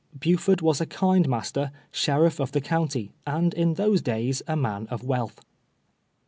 Buford was a kind master, sheriff of the county, and in those days a man of wealth.